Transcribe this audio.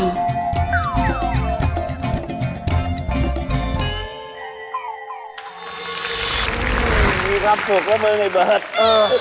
สวัสดีครับสุขกับมือไอ้เบิร์ด